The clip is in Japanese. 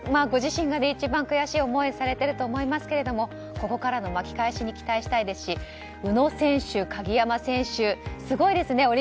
ご自身が一番悔しい思いをされていると思いますがここからの巻き返しに期待したいですし宇野選手、鍵山選手すごいですね。